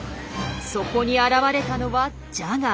そこに現れたのはジャガー。